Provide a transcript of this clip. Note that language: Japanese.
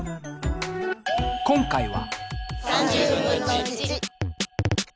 今回は。